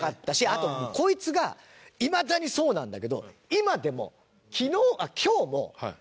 あとこいつがいまだにそうなんだけど今でも。